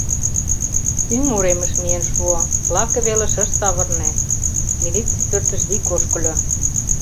Тӱҥ уремыш миен шуо, лаке велыш ыш савырне, милиций пӧртыш вик ошкыльо.